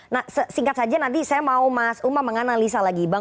nah singkat saja nanti saya mau mas umam menganalisa lagi bang